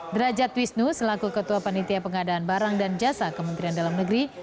derajat wisnu selaku ketua panitia pengadaan barang dan jasa kementerian dalam negeri